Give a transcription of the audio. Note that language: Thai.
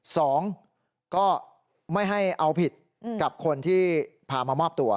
สองก็ไม่ให้เอาผิดกับคนที่พามามอบตัว